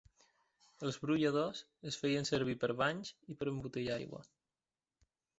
Els brolladors es feien servir per banys i per embotellar aigua.